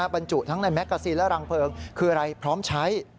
บรรจุทั้งในแกซีนและรังเพลิงคืออะไรพร้อมใช้